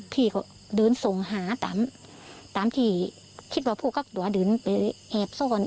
พี่ก็เดินส่งหาตามที่คิดว่าผู้กักตัวเดินไปแอบซ่อน